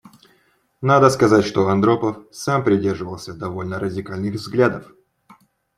Надо сказать, что Андропов сам придерживался довольно радикальных взглядов.